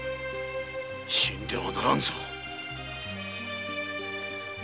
死んではならんぞ。